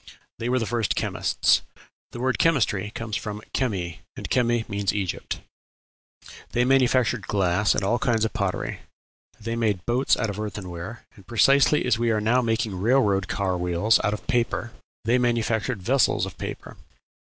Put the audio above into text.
They were the first chemists. The word "chemistry" comes from chemi, and chemi means Egypt. They manufactured glass and all kinds of pottery; they made boats out of earthenware; and, precisely as we are now making railroad car wheels of paper, they manufactured vessels of paper.